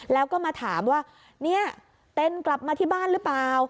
แล้วก็มาถามว่าเนี่ยเต้นกลับมาที่บ้านหรือเปล่า